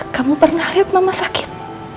kamu pernah lihat mama sakit